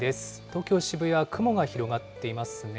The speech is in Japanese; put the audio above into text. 東京・渋谷、雲が広がっていますね。